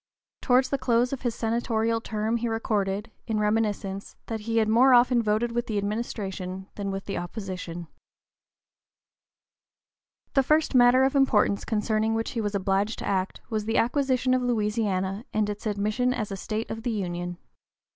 Towards the close of his senatorial term he recorded, in reminiscence, that he had more often voted with the administration than with the opposition. The first matter of importance concerning which he was obliged to act was the acquisition of Louisiana and its admission as a state of the Union.